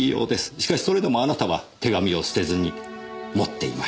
しかしそれでもあなたは手紙を捨てずに持っていました。